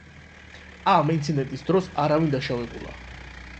ამ ინციდენტის დროს არავინ დაშავებულა.